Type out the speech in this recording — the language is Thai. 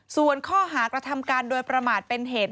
ส่วนข้อหากระทำการโดยประมาทเป็นเหตุ